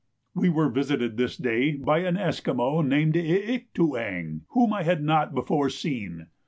We were visited this day by an Esquimaux named I ik tu ang, whom I had not before seen.